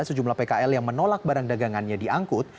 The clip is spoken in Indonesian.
sejumlah pkl yang menolak barang dagangannya diangkut